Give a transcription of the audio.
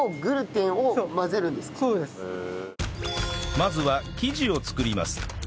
まずは生地を作ります